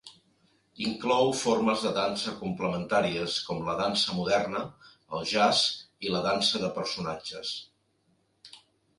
Inclou formes de dansa complementàries com la dansa moderna, el jazz i la dansa de personatges